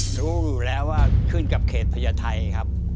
รู้อยู่แล้วว่าขึ้นกับเขตพญาไทยครับ